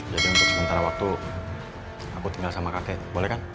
untuk sementara waktu aku tinggal sama kakek boleh kan